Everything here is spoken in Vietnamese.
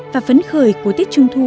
và phấn khởi của tết trung thu